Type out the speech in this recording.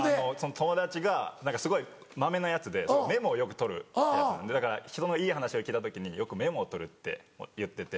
友達がすごいまめなヤツでメモをよく取るヤツなんでだからひとのいい話を聞いた時によくメモを取るって言ってて。